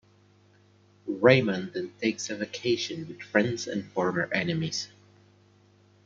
Rayman then takes a vacation with friends and former enemies.